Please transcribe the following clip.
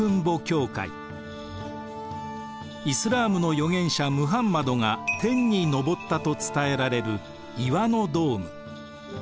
イスラームの預言者ムハンマドが天に昇ったと伝えられる岩のドーム。